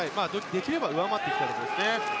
できれば上回っていきたいですね。